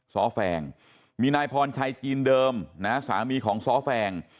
ซ้อแฟงมีนายพรชัยจีนเดิมนะสามีของซ้อแฟง